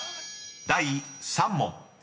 ［第３問］